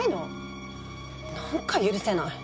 なんか許せない！